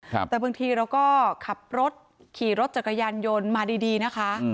แต่บางทีเราก็ขับรถขี่รถจักรยานยนต์มาดีดีนะคะ